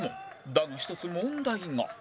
だが１つ問題が